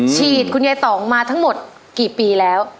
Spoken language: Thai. คุณยายต่องมาทั้งหมดกี่ปีแล้ว